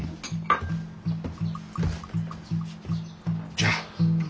じゃあ。